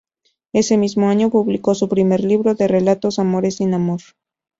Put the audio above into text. Ese mismo año publicó su primer libro de relatos, "Amores sin amor".